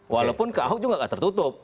walaupun ke ahok juga gak tertutup